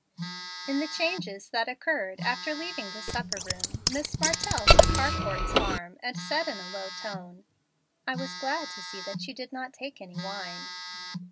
In the changes that occurred after leaving the supper room, Miss Martell took Harcourt's arm and said in a low tone, "I was glad to see that you did not take any wine."